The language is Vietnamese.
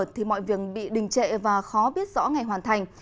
thì mọi việc bị đình trệ và khó biết rõ ngày hoàn thành